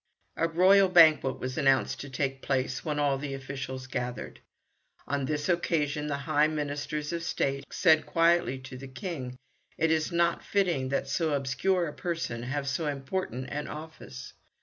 A royal banquet was announced to take place, when all the officials gathered. On this occasion the high Ministers of State said quietly to the King, "It is not fitting that so obscure a person have so important an office.